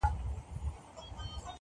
پلار چوپتيا کي عذاب وړي تل,